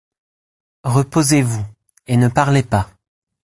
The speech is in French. Reposez-vous. Et ne parlez pas.